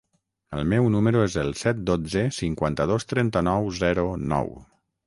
El meu número es el set, dotze, cinquanta-dos, trenta-nou, zero, nou.